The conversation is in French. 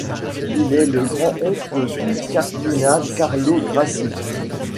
Il est le grand-oncle du cardinal Carlo Grassi.